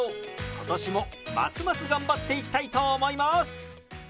今年もますます頑張っていきたいと思います！